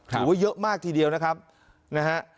ถือว่าเยอะมากทีเดียวนะครับนะฮะ